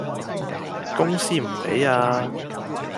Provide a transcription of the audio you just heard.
公司唔畀呀